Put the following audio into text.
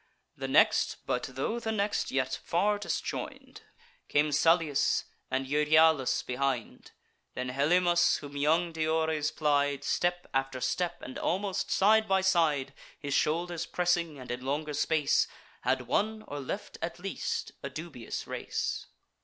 The next, but tho' the next, yet far disjoin'd, Came Salius, and Euryalus behind; Then Helymus, whom young Diores plied, Step after step, and almost side by side, His shoulders pressing; and, in longer space, Had won, or left at least a dubious race.